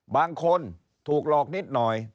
บางคนถูกหลอกนิดหน่อย